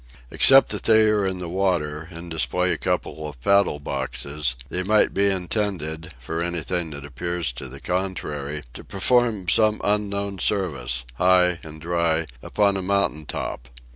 Except that they are in the water, and display a couple of paddle boxes, they might be intended, for anything that appears to the contrary, to perform some unknown service, high and dry, upon a mountain top.